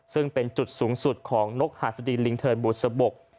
ซึ่งเป็นจุดสูงสุดของนกหัสดีลิงเทินบุษบก